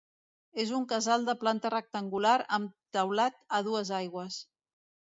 És un casal de planta rectangular amb teulat a dues aigües.